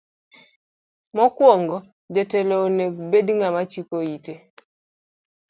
Mokuongo jatelo onego obed ng'ama chiko ite.